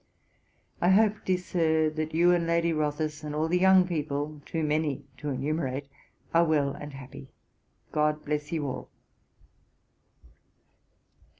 I hope, dear Sir, that you and Lady Rothes, and all the young people, too many to enumerate, are well and happy. GOD bless you all.'